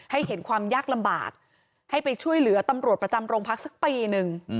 เห็นความยากลำบากให้ไปช่วยเหลือตำรวจประจำโรงพักสักปีหนึ่ง